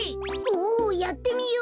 おやってみよう！